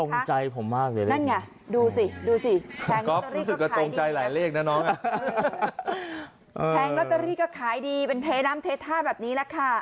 ตรงใจผมมากเลยนั่นไงดูสิแทงลอตเตอรี่ก็ขายดีเป็นเทน้ำเททาแบบนี้ละค่ะ